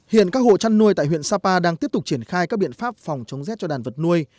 hiện các hộ chăn nuôi tại huyện sapa đang tiếp tục triển khai các biện pháp phòng chống rét cho đàn vật nuôi